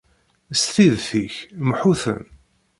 S tidet-ik, mḥu-ten.